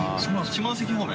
下関方面？